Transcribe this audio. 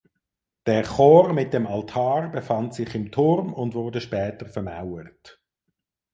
Der Chor mit dem Altar befand sich im Turm und wurde später vermauert.